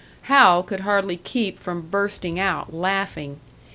Hal could hardly keep from bursting out laughing.